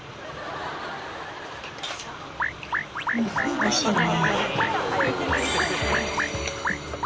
おいしいね。